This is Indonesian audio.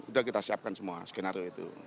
sudah kita siapkan semua skenario itu